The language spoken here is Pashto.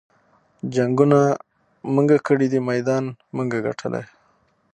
جنګــــونه مونږه کـــــــــړي دي مېدان مونږه ګټلے